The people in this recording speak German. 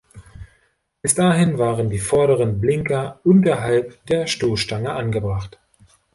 Bis dahin waren die vorderen Blinker unterhalb der Stoßstange angebracht.